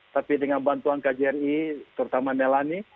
tapi dengan bantuan kjri terutama nelani